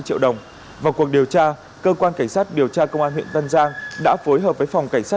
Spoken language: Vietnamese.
vào cuộc điều tra cơ quan cảnh sát điều tra công an huyện tân giang đã phối hợp với phòng cảnh sát